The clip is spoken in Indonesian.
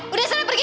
udah sana pergi